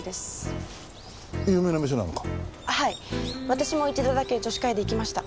私も一度だけ女子会で行きました。